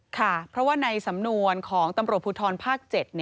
ค่ะเพราะว่าในสำนวนของตำรวจภูทรภาค๗